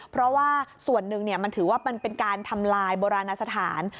เพราะว่าส่วนหนึ่งมันถือว่ามันเป็นการทำลายโบราณสถาน